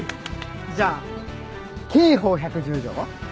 じゃあ刑法１１０条は？